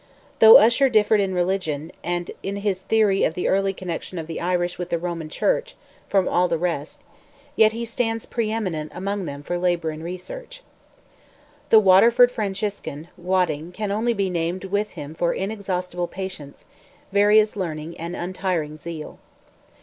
Though Usher differed in religion, and in his theory of the early connection of the Irish with the Roman Church, from all the rest, yet he stands pre eminent among them for labour and research. The Waterford Franciscan, Wadding, can only be named with him for inexhaustible patience, various learning, and untiring zeal.